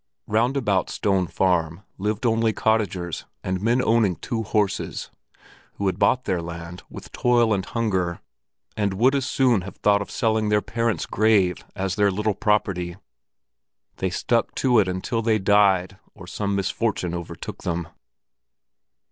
Round about Stone Farm lived only cottagers and men owning two horses, who had bought their land with toil and hunger, and would as soon have thought of selling their parents' grave as their little property; they stuck to it until they died or some misfortune overtook them.